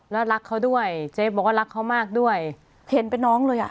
แล้วรักเขาด้วยเจ๊บอกว่ารักเขามากด้วยเห็นเป็นน้องเลยอ่ะ